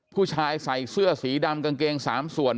ผู้ชายใส่เสื้อสีดำกางเกง๓ส่วน